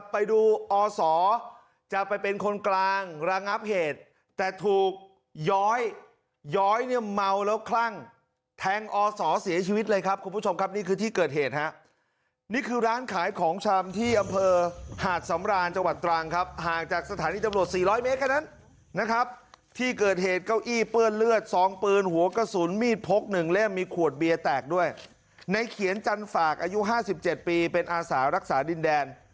ไปดูออสอจะไปเป็นคนกลางระงับเหตุแต่ถูกย้อยย้อยเนี่ยเมาแล้วคลั่งแทงออสอเสียชีวิตเลยครับคุณผู้ชมครับนี่คือที่เกิดเหตุฮะนี่คือร้านขายของชำที่อำเภอหาดสำรานจังหวัดตรังครับห่างจากสถานีจำนวดสี่ร้อยเมกรันนะครับที่เกิดเหตุเก้าอี้เปื้อนเลือดซองปืนหัวกระสุนมีดพกหนึ่งและมีขวดเบียแตกด